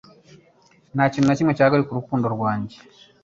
Nta kintu na kimwe cyahagarika urukundo rwanjye